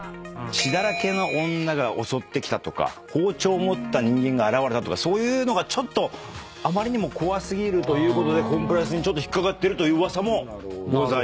血だらけの女が襲ってきたとか包丁を持った人間が現れたとかそういうのがあまりにも怖過ぎるということでコンプライアンスに引っ掛かってるという噂も。